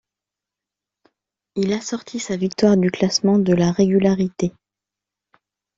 Il assortit sa victoire du classement de la régularité.